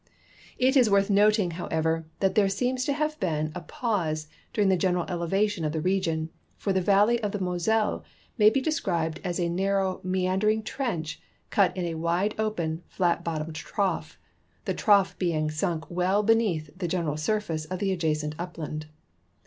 It is worth noting, however, that there seems to have been a pause during the general elevation of the region, for the valley of the INIoselle ma3" be described as a narrow, meandering trench cut in a wide open, flat bottomed trough, the trough being sunk well beneath the general surface of the adjacent upland.